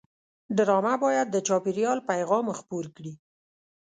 ډرامه باید د چاپېریال پیغام خپور کړي